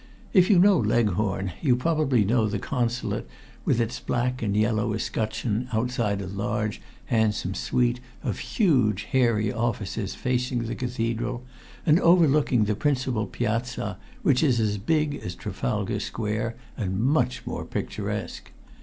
If you know Leghorn, you probably know the Consulate with its black and yellow escutcheon outside, a large, handsome suite of huge, airy offices facing the cathedral, and overlooking the principal piazza, which is as big as Trafalgar Square, and much more picturesque.